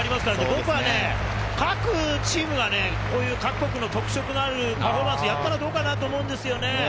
僕は各チームがこういう各国で特殊のあるパフォーマンスをやったらどうかなと思います。